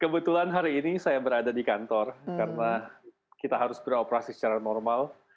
kebetulan hari ini saya berada di kantor karena kita harus beroperasi secara normal